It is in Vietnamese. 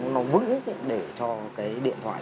nó vững để cho cái điện thoại